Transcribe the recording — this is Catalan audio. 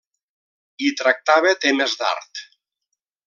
Hi tractava temes d'art.